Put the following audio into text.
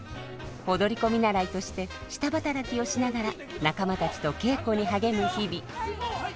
踊り子見習いとして下働きをしながら仲間たちと稽古に励む日々。